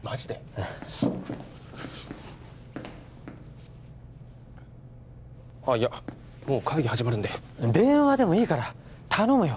うんあっいやもう会議始まるんで電話でもいいから頼むよ